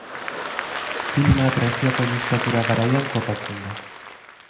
Filma Greziako Diktadura garaian kokatzen da.